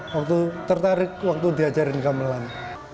waktu tertarik waktu diajarin gamelan